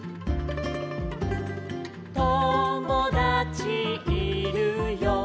「ともだちいるよ」